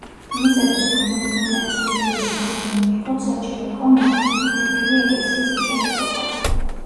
იმისათვის, რომ მორწმუნეებს სულიერი საზრდო მიეღოთ, საჭირო იყო მართლმადიდებელი ეკლესიის მშენებლობა.